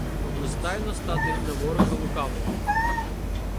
Одностайно стати На ворога лукавого.